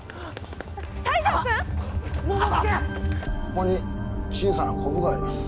ここに小さなこぶがあります。